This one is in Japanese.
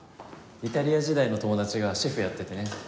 イタリア時代の友達がシェフやっててね。